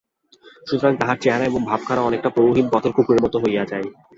সুতরাং তাহার চেহারা এবং ভাবখানা অনেকটা প্রভুহীন পথের কুকুরের মতো হইয়া যায়।